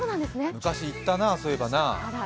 昔行ったなあ、そういえばなあ。